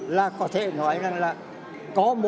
là có thể nói có một trăm linh hai